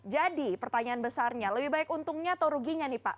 jadi pertanyaan besarnya lebih baik untungnya atau ruginya nih pak